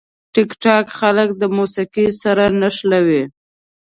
ټیکټاک خلک د موسیقي سره نښلوي.